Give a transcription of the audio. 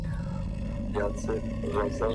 د ارغنداب سیند پر غاړه د زیتونو ونې هم کرل سوي دي.